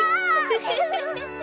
フフフフ。